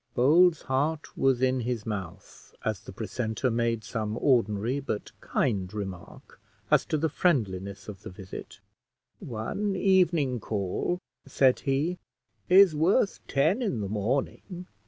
Bold's heart was in his mouth, as the precentor made some ordinary but kind remark as to the friendliness of the visit. "One evening call," said he, "is worth ten in the morning.